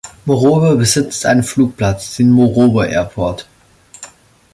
Morobe besitzt einen Flugplatz, den Morobe Airport.